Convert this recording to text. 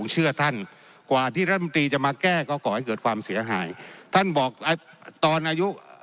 เหตุผลที่ผมอยากจะขออนุญาตสำผรรณา